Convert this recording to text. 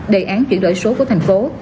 đề án chuyển đổi số của thành phố